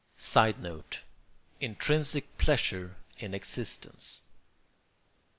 [Sidenote: Intrinsic pleasure in existence.